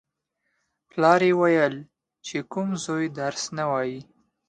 پلار یې ویل: چې کوم زوی درس نه وايي.